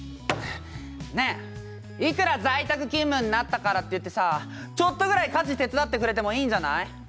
ねえいくら在宅勤務になったからといってさちょっとぐらい家事手伝ってくれてもいいんじゃない。